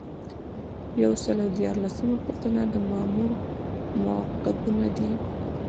یو سل او دیارلسمه پوښتنه د مامور موقفونه دي.